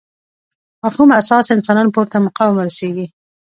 مفهوم اساس انسانان پورته مقام ورسېږي.